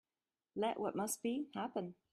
Let what must be, happen.